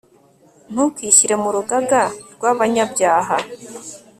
ntukishyire mu rugaga rw'abanyabyaha